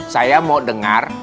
saya mau dengar